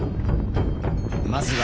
まずは